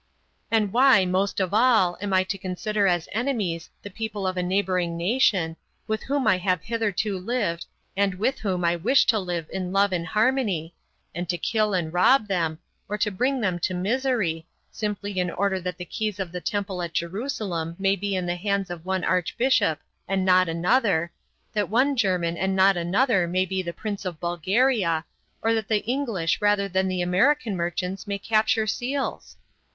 And why, most of all, am I to consider as enemies the people of a neighboring nation, with whom I have hitherto lived and with whom I wish to live in love and harmony, and to kill and rob them, or to bring them to misery, simply in order that the keys of the temple at Jerusalem may be in the hands of one archbishop and not another, that one German and not another may be prince in Bulgaria, or that the English rather than the American merchants may capture seals?